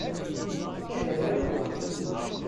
Ad awiɣ wa.